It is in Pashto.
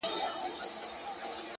د هغې خوله ، شونډي ، پېزوان او زنـي،